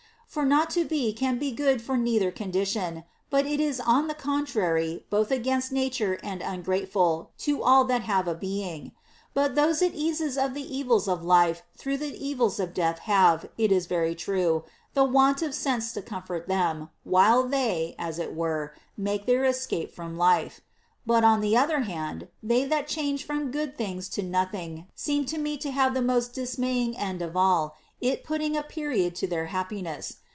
For not to be can be good for neither condition, but is on the contrary both against nature and ungrateful to all that have a being. But those it eases of the evils of life through the evils of death have, it is very true, the want of sense to comfort them, while they, as it were, make their escape from life. But, y02 PLEASURE NOT ATTAINABLE on the other hand, they that change from good things to nothing seem to me to have the most dismaying end of all, it putting a period to their happiness.